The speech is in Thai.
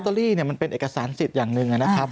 อรี่มันเป็นเอกสารสิทธิ์อย่างหนึ่งนะครับ